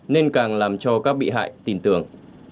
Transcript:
nên càng làm cho các bị hại tìm tưởng